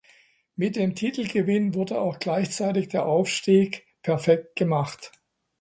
Mit dem Titelgewinn wurde auch gleichzeitig der Aufstieg perfekt gemacht.